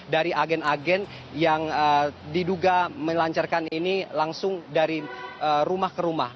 jadi agen agen yang diduga melancarkan ini langsung dari rumah ke rumah